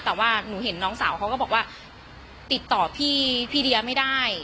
แต่ว่าหนูเห็นน้องสาวเขาก็บอกว่าติดต่อพี่เดียไม่ได้